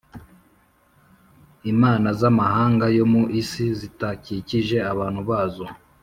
Imana z amahanga yo mu isi zitakijije abantu bazo